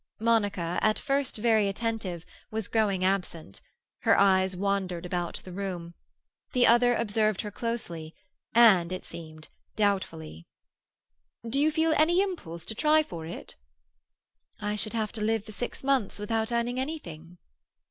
Monica, at first very attentive, was growing absent. Her eyes wandered about the room. The other observed her closely, and, it seemed, doubtfully. "Do you feel any impulse to try for it?" "I should have to live for six months without earning anything."